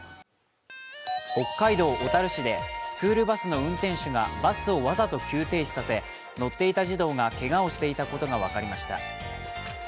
北海道小樽市でスクールバスの運転手がバスをわざと急停止させ乗っていた児童がけがをしていたことが分かりました。